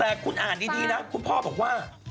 แต่คุณอ่านดีนะคุณพ่อบอกว่า